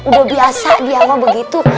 udah biasa dia mau begitu